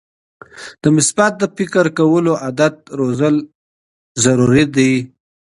د مثبت فکر کولو عادت روزل اړین دي.